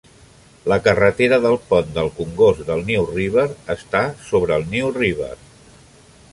La carretera del pont del congost del New River està sobre el New River.